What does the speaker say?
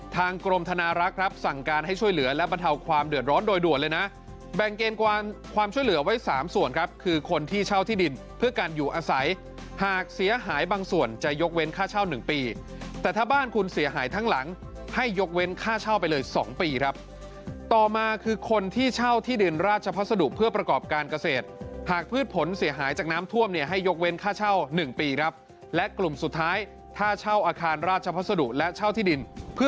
ทางกรมธนารักษ์รับสั่งการให้ช่วยเหลือและประเทาความเดือดร้อนโดยด่วนเลยนะแบ่งเกณฑ์ความช่วยเหลือไว้๓ส่วนครับคือคนที่เช่าที่ดินเพื่อการอยู่อาศัยหากเสียหายบางส่วนจะยกเว้นค่าเช่า๑ปีแต่ถ้าบ้านคุณเสียหายทั้งหลังให้ยกเว้นค่าเช่าไปเลย๒ปีครับต่อมาคือคนที่เช่าที่ดินราชพศดุ